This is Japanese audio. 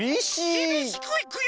きびしくいくよ！